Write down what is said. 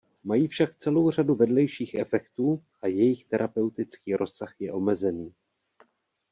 Mají však celou řadu vedlejších efektů a jejich terapeutický rozsah je omezený.